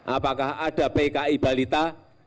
apakah ada pki balita